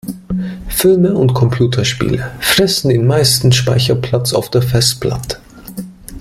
Filme und Computerspiele fressen den meisten Speicherplatz auf der Festplatte.